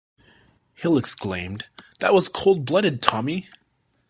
Hill exclaimed, That was cold-blooded, Tommy!